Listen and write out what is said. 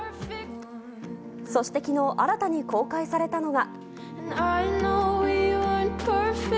そして昨日新たに公開されたのが。